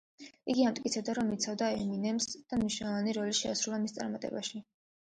იგი ამტკიცებდა, რომ იცავდა ემინემს და მნიშვნელოვანი როლი შეასრულა მის წარმატებაში.